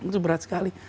itu berat sekali